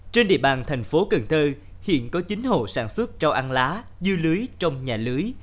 trên địa bàn thành phố cần thơ hiện có chín hộ sản xuất rau ăn lá dư lưới trong nhà lưới